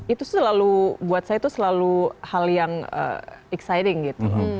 itu selalu buat saya itu selalu hal yang exciting gitu